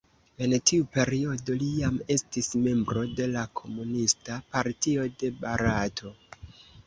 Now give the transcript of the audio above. En tiu periodo li jam estis membro de la Komunista Partio de Barato.